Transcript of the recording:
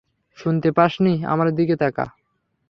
শুনতে পাস নি, আমার দিকে তাকা।